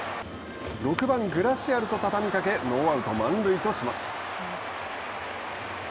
６番グラシアルと畳みかけノーアウト、満塁とします。